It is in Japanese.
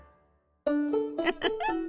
ウフフ。